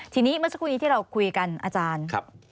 ทีนี้เมื่อสักครู่นี้ที่เราคุยกันอาจารย์